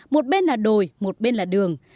một bên là đồi một bên là đường